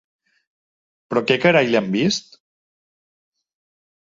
Però què carai li han vist?